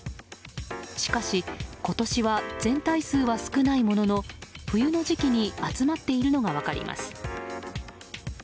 しかし、今年は全体数は少ないものの冬の時期に集まっているのが分かります。